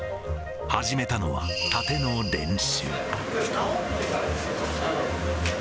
始めたのは、タテの練習。